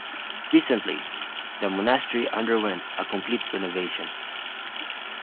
Recently, the monastery underwent a complete renovation.